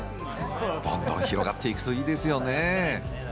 どんどん広がっていくといいですよね。